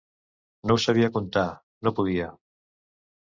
No ho sabia contar, no podia.